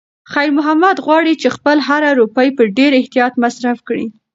خیر محمد غواړي چې خپله هره روپۍ په ډېر احتیاط مصرف کړي.